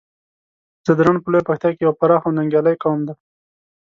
ځدراڼ په لويه پکتيا کې يو پراخ او ننګيالی قوم دی.